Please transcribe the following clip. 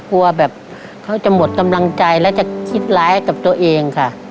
แบบเขาจะหมดกำลังใจและจะคิดร้ายกับตัวเองค่ะ